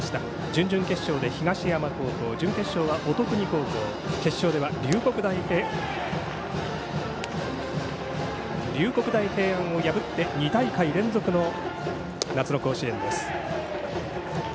準々決勝で東山高校準決勝は乙訓高校決勝では龍谷大平安を破って２大会連続の夏の甲子園です。